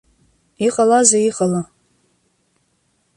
Иҟалазеи, иҟала?